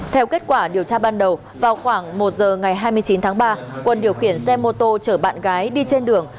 theo kết quả điều tra ban đầu vào khoảng một giờ ngày hai mươi chín tháng ba quân điều khiển xe mô tô chở bạn gái đi trên đường